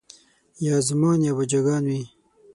یا زومان یا باجه ګان وي